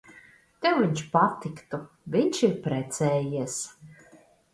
Tev viņš patiktu. Viņš ir precējies.